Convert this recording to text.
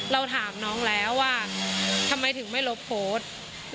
เราถามน้องแล้วว่าทำไมถึงไม่ลบโพสต์